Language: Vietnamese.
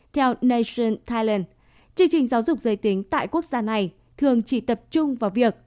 theo nation diland chương trình giáo dục giới tính tại quốc gia này thường chỉ tập trung vào việc